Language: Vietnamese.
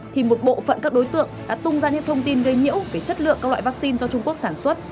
thì một bộ phận các đối tượng đã tung ra những thông tin gây nhiễu về chất lượng các loại vaccine do trung quốc sản xuất